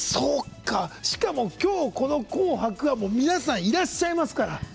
しかも、今日この「紅白」皆さんいらっしゃいますから。